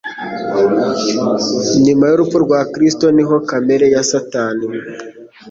Nyuma y'urupfu rwa Kristo ni ho kamere ya Satani